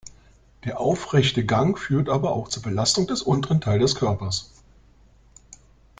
Der aufrechte Gang führt aber auch zur Belastung des unteren Teils des Körpers.